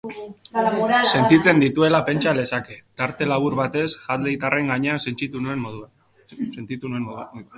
Sentitzen dituela pentsa lezake, tarte labur batez Hadleytarren gainean sentitu nuen moduan.